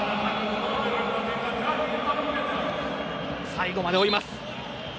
最後まで追います。